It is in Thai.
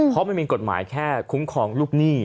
เพราะมันมีกฎหมายแค่คุ้มครองลูกหนี้